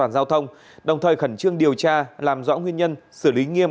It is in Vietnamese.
an giao thông đồng thời khẩn trương điều tra làm rõ nguyên nhân xử lý nghiêm